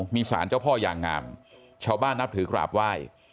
มีสารเจ้าพ่อยางงามชาวบ้านนับถือกราบไหว้